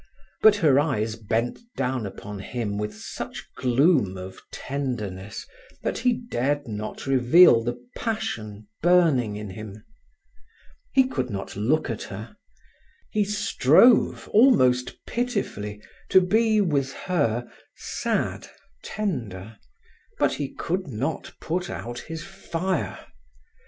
But her eyes bent down upon him with such gloom of tenderness that he dared not reveal the passion burning in him. He could not look at her. He strove almost pitifully to be with her sad, tender, but he could not put out his fire.